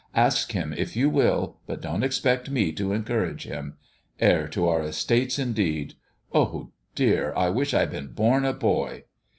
" Ask him if you will ; but don't expect me to encourage him. Heir to our estates, indeed 1 Oh, dear, I wish I had been born a boy!"